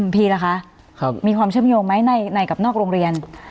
ล่ะคะมีความเชื่อมโยงไหมในกับนอกโรงเรียน